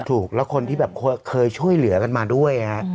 ถูกแล้วคนที่แบบเคยช่วยเหลือกันมาด้วยฮะ